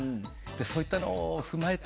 そういったものを踏まえて。